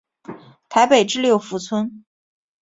台北至六福村。